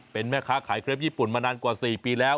เป็นแม่ค้าขายเครปญี่ปุ่นมานานกว่า๔ปีแล้ว